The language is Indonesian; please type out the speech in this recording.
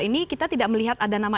ini kita tidak melihat ada nama